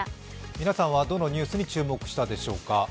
皆さんはどのニュースに注目したでしょうか。